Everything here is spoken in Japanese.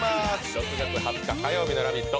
６月２０日火曜日の「ラヴィット！」